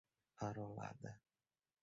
arrolada